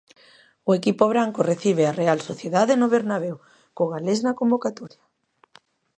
O equipo branco recibe á Real Sociedade no Bernabéu, co galés na convocatoria.